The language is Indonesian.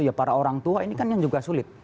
ya para orang tua ini kan yang juga sulit